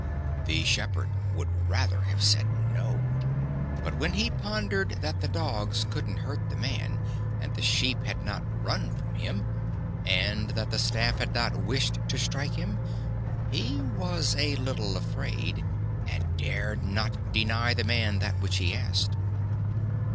"The shepherd would rather have said no, but when he pondered that the dogs couldn't hurt the man, and the sheep had not run from him, and that the staff had not wished to strike him, he was a little afraid, and dared not deny the man that which he asked.